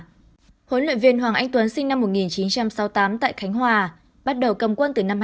huấn luyện viên hoàng anh tuấn sinh năm một nghìn chín trăm sáu mươi tám tại khánh hòa bắt đầu cầm quân từ năm hai nghìn một mươi